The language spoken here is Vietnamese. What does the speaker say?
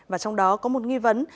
và trong đó có một nghi vấn